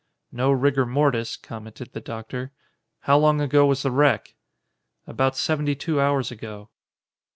"No rigor mortis," commented the Doctor. "How long ago was the wreck?" "About seventy two hours ago."